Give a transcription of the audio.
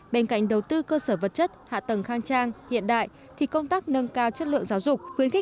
bên cạnh đầu tư cơ sở vật chất hạ tầng khang trang hiện đại thì công tác nâng cao chất lượng giáo dục khuyến khích